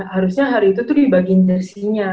harusnya hari itu tuh dibagiin bersihnya